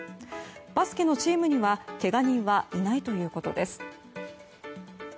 バスケのチームにはけが人はいないということです。